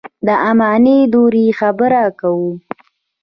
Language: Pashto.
د اماني دورې خبره کوو.